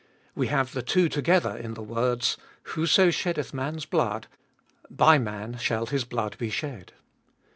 We have the two to gether in the words : Whoso sheddeth mans blood, by man shall his blood be shed.